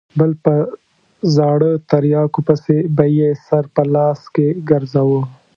بل په زاړه تریاکو پسې به یې سر په لاس کې ګرځاوه.